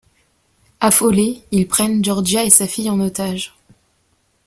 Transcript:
Affolés, ils prennent Georgia et sa fille en otages.